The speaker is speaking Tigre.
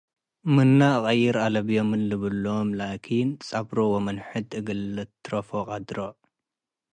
ምነ እቀይር አለብዬ!” ምን ልብሎም ላኪን፡ ጸብሮ ወምን ሕድ እግል ልትረፎ ቀድሮ ።